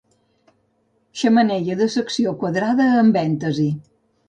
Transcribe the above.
Xemeneia de secció quadrada amb èntasi.